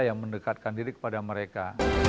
yang mendekatkan diri kepada mereka